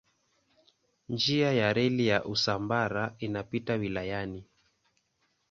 Njia ya reli ya Usambara inapita wilayani.